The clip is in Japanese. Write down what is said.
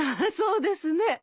そうですね。